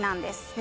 え！